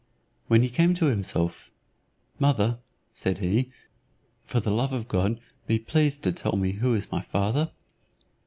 When he came to himself. "Mother," said he "for the love of God be pleased to tell me who is my father?"